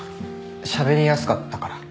しゃべりやすかったから。